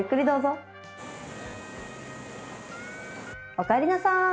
おかえりなさい！